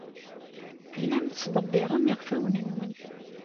Tellam tettḍebbirem iɣfawen-nwen.